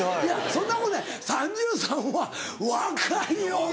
そんなことない３３は若いよお前。